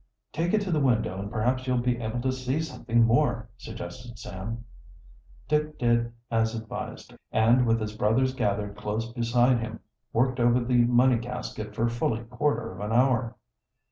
"Take it to the window, and perhaps you'll be able to see something more," suggested Sam. Dick did as advised, and, with his brothers gathered close beside him, worked over the money casket for fully quarter of an hour.